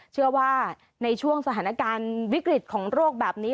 เชื่อว่าในช่วงสถานการณ์วิกฤตของโรคแบบนี้